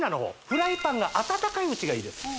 フライパンが温かいうちがいいです